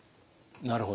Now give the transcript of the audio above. なるほど。